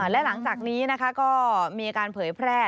และหลังจากนี้ก็มีการเผยแพร่